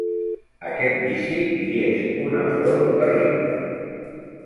Aquest vici li és un afront terrible.